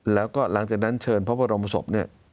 แล้วก็หลังจากนั้นเชิญพระบรมศพเนี่ย